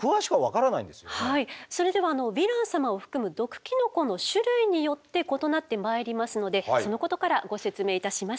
それではヴィラン様を含む毒キノコの種類によって異なってまいりますのでそのことからご説明いたします。